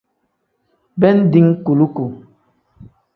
Bindi kuluku.